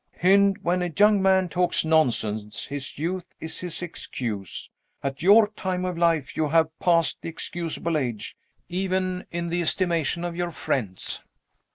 "Hynd! When a young man talks nonsense, his youth is his excuse. At your time of life, you have passed the excusable age even in the estimation of your friends."